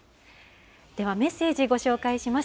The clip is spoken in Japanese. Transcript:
ではメッセージご紹介します。